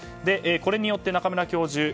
これによって中村教授